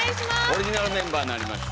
オリジナルメンバーになりました。